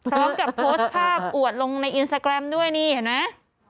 พร้อมกับโพสต์ภาพอวดลงในอินสตาแกรมด้วยนี่เห็นไหม